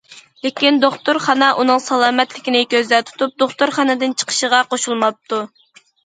لېكىن، دوختۇرخانا ئۇنىڭ سالامەتلىكىنى كۆزدە تۇتۇپ دوختۇرخانىدىن چىقىشىغا قوشۇلماپتۇ.